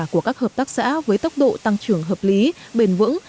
của các hợp tác xã với tốc độ tăng trưởng hợp lý bền vững